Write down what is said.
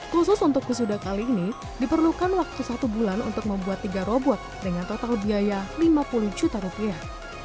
khusus untuk wisuda kali ini diperlukan waktu satu bulan untuk membuat tiga robot dengan total biaya lima puluh juta rupiah